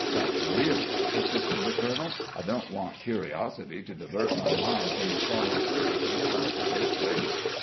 "But, really," persisted the colonel, "I don't want curiosity to divert my mind from the solemn services about to take place.